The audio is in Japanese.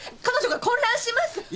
彼女が混乱します！